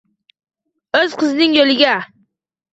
Oʼz qizining yoʼliga